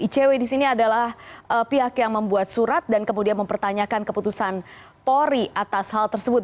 icw di sini adalah pihak yang membuat surat dan kemudian mempertanyakan keputusan polri atas hal tersebut